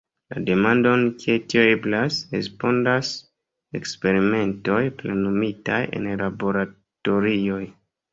La demandon Kiel tio eblas, respondas eksperimentoj plenumitaj en laboratorioj.